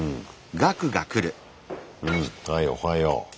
はいおはよう。